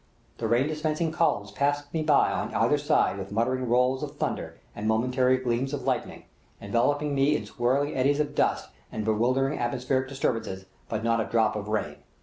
The rain dispensing columns pass me by on either side with muttering rolls of thunder and momentary gleams of lightning, enveloping me in swirling eddies of dust and bewildering atmospheric disturbances, but not a drop of rain.